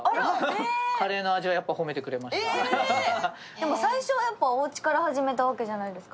でも最初はおうちから始めたわけじゃないですか。